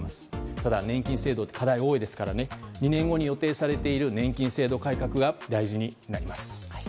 ただ、年金制度は課題が多いですから２年後に予定されている年金制度改革が大事になります。